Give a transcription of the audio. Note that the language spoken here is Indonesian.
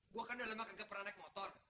gue kan udah lama gak pernah naik motor